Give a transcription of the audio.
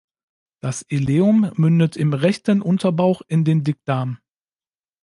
Das Ileum mündet im rechten Unterbauch in den Dickdarm.